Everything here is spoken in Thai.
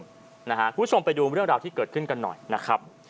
คุณผู้ชมไปดูเรื่องราวที่เกิดขึ้นกันหน่อยนะครับ